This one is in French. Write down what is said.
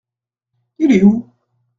Il est où ?